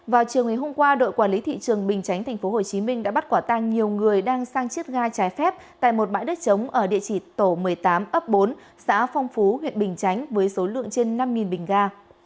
vào chiều ngày hôm qua đội quản lý thị trường bình chánh tp hcm đã bắt quả tang nhiều người đang sang chiết ga trái phép tại một bãi đất trống ở địa chỉ tổ một mươi tám ấp bốn xã phong phú huyện bình chánh với số lượng trên năm bình ga